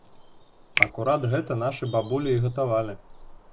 Акурат гэта нашы бабулі і гатавалі!